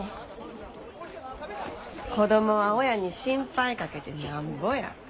子供は親に心配かけてなんぼや。